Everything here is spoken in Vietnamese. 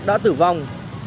đã tử vong